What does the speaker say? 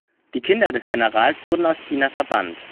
Die Kinder des Generals wurden aus China verbannt.